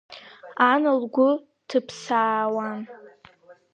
Ан лгәы ҭыԥсаауан.